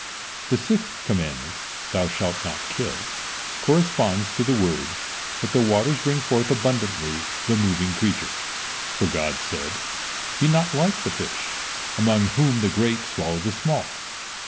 The sixth commandment: "Thou shalt not kill," corresponds to the word: "Let the waters bring forth abundantly the moving creature," for God said: "Be not like the fish, among whom the great swallow the small."